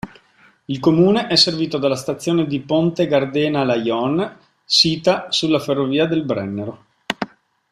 Il comune è servito dalla stazione di Ponte Gardena-Laion, sita sulla ferrovia del Brennero.